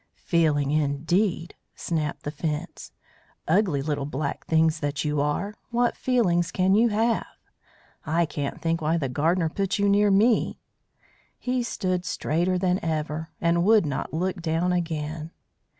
"Feeling, indeed!" snapped the Fence. "Ugly little black things that you are, what feelings can you have? I can't think why the gardener put you near me." He stood straighter than ever, and would not look down again.